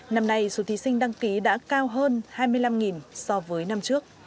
năm nay số thí sinh đăng ký đã cao hơn hai mươi năm so với năm trước